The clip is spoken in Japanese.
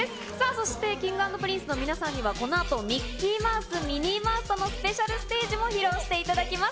そしてＫｉｎｇ＆Ｐｒｉｎｃｅの皆さんにはこのあと、ミッキーマウス、ミニーマウスとのスペシャルステージも披露していただきます。